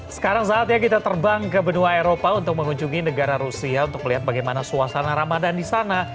sekarang saatnya kita terbang ke benua eropa untuk mengunjungi negara rusia untuk melihat bagaimana suasana ramadan di sana